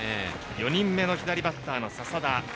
４人目の左バッター、笹田。